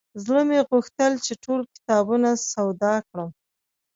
زړه مې غوښتل چې ټول کتابونه سودا کړم.